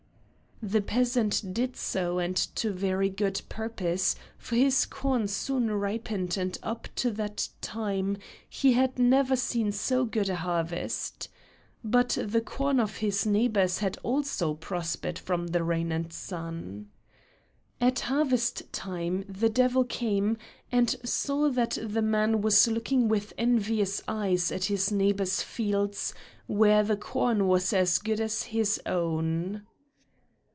The peasant did so and to very good purpose, for his corn soon ripened and up to that time he had never seen so good a harvest. But the corn of his neighbors had also prospered from the rain and sun. At harvest time the devil came, and saw that the man was looking with envious eyes at his neighbor's fields where the corn was as good as his own.